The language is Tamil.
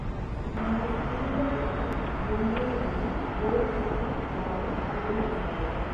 உம்மைப் பிரிந்த துக்கம் ஒன்றேயன்றி வேறு துக்கம் யாதும் அறியேன் என்றாள்.